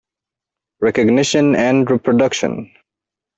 Recognition and reproduction.